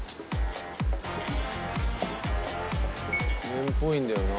麺っぽいんだよな。